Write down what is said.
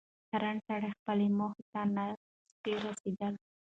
ډارن سړی خپلي موخي ته نه سي رسېدلاي